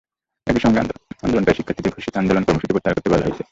একই সঙ্গে আন্দোলনকারী শিক্ষার্থীদের ঘোষিত আন্দোলন কর্মসূচি প্রত্যাহার করতে বলা হয়েছে।